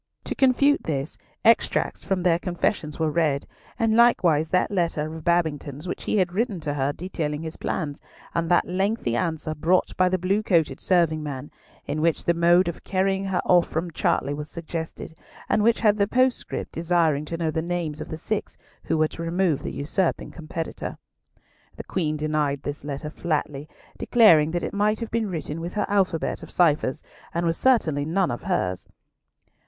To confute this, extracts from their confessions were read, and likewise that letter of Babington's which he had written to her detailing his plans, and that lengthy answer, brought by the blue coated serving man, in which the mode of carrying her off from Chartley was suggested, and which had the postscript desiring to know the names of the six who were to remove the usurping competitor. The Queen denied this letter flatly, declaring that it might have been written with her alphabet of ciphers, but was certainly none of hers.